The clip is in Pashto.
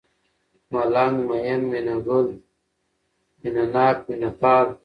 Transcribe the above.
ملنگ ، مين ، مينه گل ، مينه ناک ، مينه پال